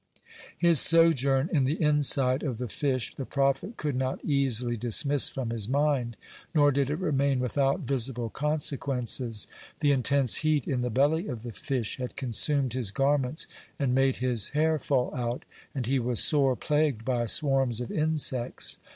His sojourn in the inside of the fish the prophet could not easily dismiss from his mind, nor did it remain without visible consequences. The intense heat in the belly of the fish had consumed his garments, and made his hair fall out, (36) and he was sore plagued by swarms of insects.